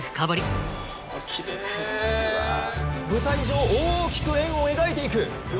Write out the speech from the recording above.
舞台上大きく円を描いていく。